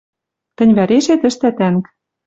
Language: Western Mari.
Тӹнь вӓрешет ӹштӓ тӓнг...»